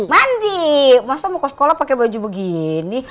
mandi masa mau ke sekolah pakai baju begini